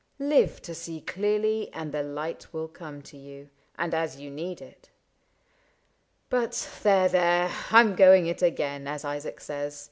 Live to see clearly and the light will come To you, and as you need it. — But there, there, I 'm going it again, as Isaac says.